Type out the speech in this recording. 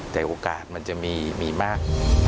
แต่โอกาสมันจะมีมาก